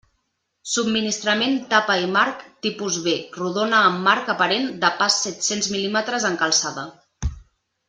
Subministrament tapa i marc Tipus B rodona amb marc aparent de pas set-cents mil·límetres en calçada.